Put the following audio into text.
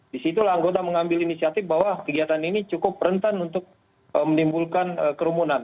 disitulah anggota mengambil inisiatif bahwa kegiatan ini cukup rentan untuk menimbulkan kerumunan